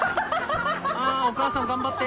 あお母さん頑張って。